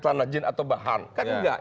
celana jin atau bahan kan enggak